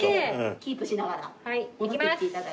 キープしながら戻って来て頂いて。